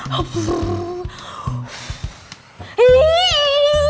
masih ada yang nunggu